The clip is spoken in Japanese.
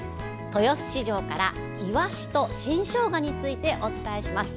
豊洲市場からイワシと新ショウガについてお伝えします。